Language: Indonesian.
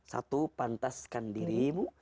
satu pantaskan dirimu